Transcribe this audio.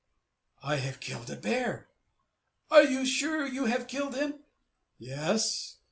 "I have killed a bear." "Are you sure you have killed him?" "Yes."